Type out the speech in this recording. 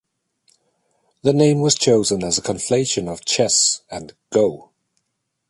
The name was chosen as a conflation of "chess" and "go".